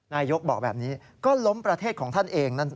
นายยกบอกแบบนี้ก็ล้มประเทศของท่านเอง